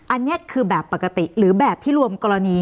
อันนี้คือแบบปกติหรือแบบที่รวมกรณี